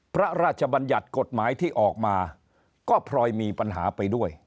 พระราชบัญญัติกฎหมายที่ออกมาก็พลอยมีปัญหาไปด้วย